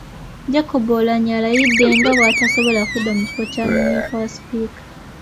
Jacob Oulanyah alayidde nga bw’atasobola kudda ku kifo kya mumyuka wa Sipiika.